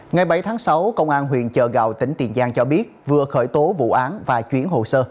ngày bảy tháng sáu công an huyện chợ gạo tỉnh tiền giang cho biết vừa khởi tố vụ án và chuyển hồ sơ